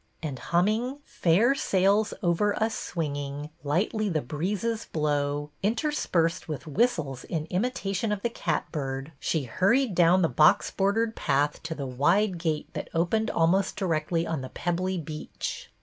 And humming, —" Fair sails over us swinging, Lightly the breezes blow," interspersed with whistles in imitation of the cat bird, she hurried down the box bordered path to 8 BETTY BAIRD'S VENTURES the wide gate that opened almost directly on the pebbly beach.